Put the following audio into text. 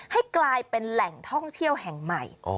ให้กลายเป็นแหล่งท่องเที่ยวแห่งใหม่